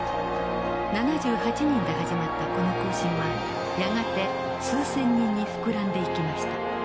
７８人で始まったこの行進はやがて数千人に膨らんでいきました。